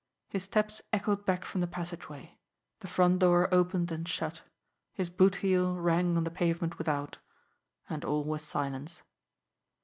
His steps echoed back from the passageway, the front door opened and shut, his boot heel rang on the pavement without and all was silence.